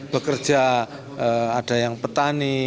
bekerja ada yang petani